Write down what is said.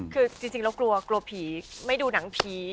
คือจริงเรากลัวกลัวผีไม่ดูหนังผี